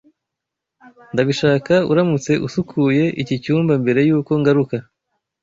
Ndabishaka uramutse usukuye iki cyumba mbere yuko ngaruka.